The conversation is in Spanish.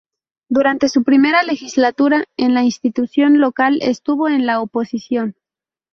Durante su primera legislatura en la institución local estuvo en la oposición.